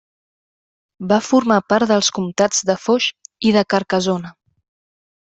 Va formar part dels comtats de Foix i de Carcassona.